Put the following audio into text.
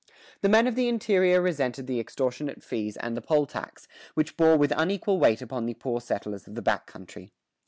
The men of the interior resented the extortionate fees and the poll tax, which bore with unequal weight upon the poor settlers of the back country.